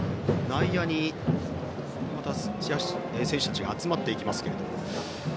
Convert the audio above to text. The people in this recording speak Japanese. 内野に選手たちが集まっていきますけれども。